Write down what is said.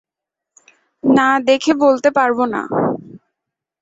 না দেখে বলতে পারব না।